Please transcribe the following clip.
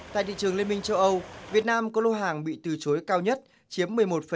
tại thị trường liên minh châu âu việt nam có lô hàng bị từ chối cao nhất chiếm một mươi một năm